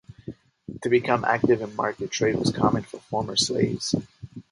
To become active in market trade was common for former slaves.